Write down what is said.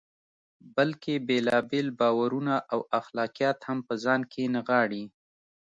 بلکې بېلابېل باورونه او اخلاقیات هم په ځان کې نغاړي.